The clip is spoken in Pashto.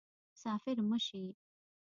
مسافر مه شي